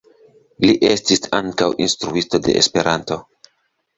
Li estis ankaŭ instruisto de Esperanto.